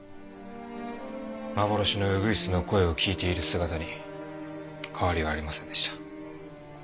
幻のウグイスの声を聞いている姿に変わりはありませんでした。